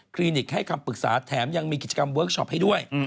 ลินิกให้คำปรึกษาแถมยังมีกิจกรรมเวิร์คชอปให้ด้วย